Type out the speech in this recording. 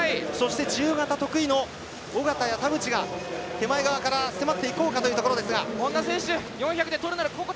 自由形得意の小方や田渕が迫っていこうかというところ。